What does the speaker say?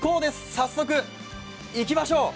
早速行きましょう。